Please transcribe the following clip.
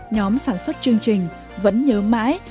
nhóm sản xuất chương trình vẫn nhớ mãi